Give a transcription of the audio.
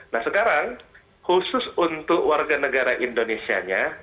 nah sekarang khusus untuk warga negara indonesia nya